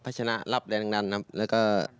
พัชนะรับแดงดันครับ